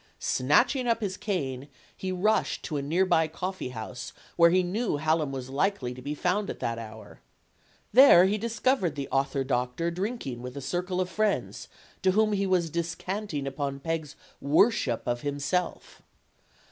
Snatching up his cane, he rushed to a near by coffeehouse where he knew Hallam was likely to be found at that hour. There he discovered the author doctor drinking with a circle of friends, to whom he was descanting upon Peg's worship of himself.